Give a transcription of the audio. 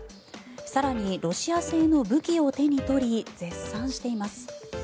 更にロシア製の武器を手に取り絶賛しています。